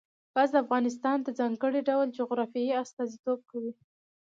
ګاز د افغانستان د ځانګړي ډول جغرافیه استازیتوب کوي.